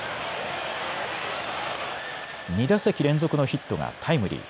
２打席連続のヒットがタイムリー。